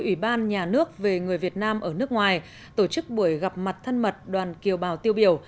ủy ban nhà nước về người việt nam ở nước ngoài tổ chức buổi gặp mặt thân mật đoàn kiều bào tiêu biểu